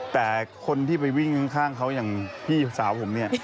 แต่คนที่ไปวิ่งข้างเขาอย่างพี่สาวผมเนี่ย